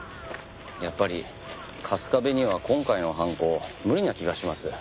やっぱり春日部には今回の犯行無理な気がします。